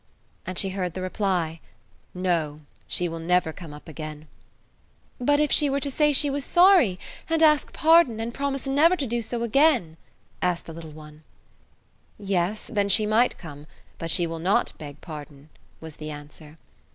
And she heard the reply, "No, she will never come up again." "But if she were to say she was sorry, and ask pardon, and promise never to do so again?" asked the little one. "Yes, then she might come; but she will not beg pardon," was the answer.